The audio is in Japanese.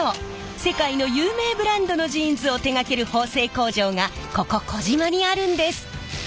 世界の有名ブランドのジーンズを手がける縫製工場がここ児島にあるんです。